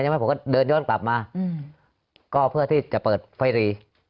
ใช่ไหมผมก็เดินย้อนกลับมาอืมก็เพื่อที่จะเปิดไฟหลี